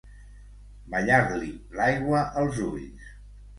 Ballar-li l'aigua als ulls.